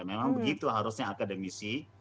memang begitu harusnya akademisi